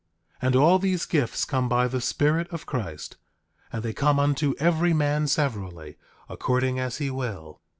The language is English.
10:17 And all these gifts come by the Spirit of Christ; and they come unto every man severally, according as he will.